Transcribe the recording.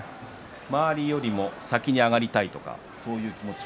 周りよりも先に上がりたいとかそういう気持ちは？